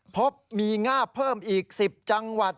พบมีงาบเพิ่มอีก๑๐จังหวัด